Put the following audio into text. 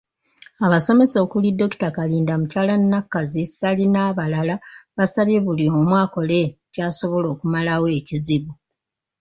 Abasomesa okuli; Dr. Kalinda, muky. Nakazzi, Ssali n'abalala, basabye buli omu akole ky'asobola okumalawo ekizibu.